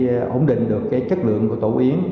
và từ đó góp phần là ổn định được chất lượng của tổ yến